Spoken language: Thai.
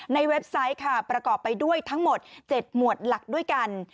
เว็บไซต์ค่ะประกอบไปด้วยทั้งหมด๗หมวดหลักด้วยกัน